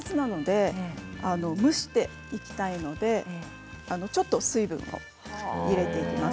蒸しなすなのでちょっと水分を入れていきます。